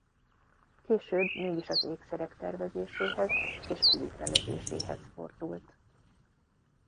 Később mégis az ékszerek tervezéséhez és kivitelezéséhez fordult.